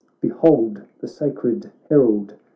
Behold the sacred herald